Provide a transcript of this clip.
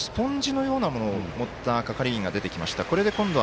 スポンジのようなものを持った係員が出てきました。